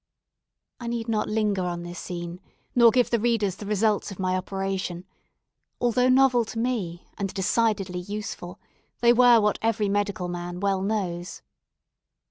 I need not linger on this scene, nor give the readers the results of my operation; although novel to me, and decidedly useful, they were what every medical man well knows.